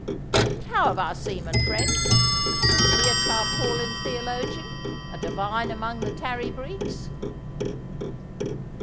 But how of our seaman friend? Is he a tarpaulin theologian a divine among the tarry breeks?